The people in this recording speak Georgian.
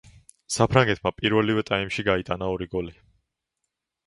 საფრანგეთმა პირველივე ტაიმში გაიტანა ორი გოლი.